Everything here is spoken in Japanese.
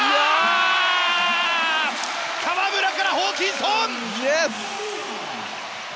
河村からホーキンソン！